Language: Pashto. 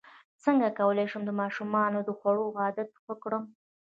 څنګه کولی شم د ماشومانو د خوړو عادت ښه کړم